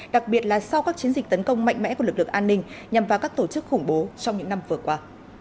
đặc biệt là sau các chiến dịch tấn công mạnh mẽ của lực lượng an ninh nhằm vào các tổ chức khủng bố trong những năm vừa qua